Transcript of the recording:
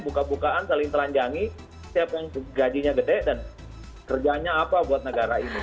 buka bukaan saling telanjangi siapa yang gajinya gede dan kerjanya apa buat negara ini